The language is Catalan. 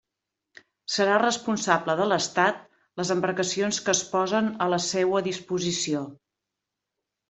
Serà responsable de l'estat les embarcacions que es posen a la seua disposició.